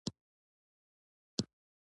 رڼا د شپهروانو لپاره یوه ښکلا ده.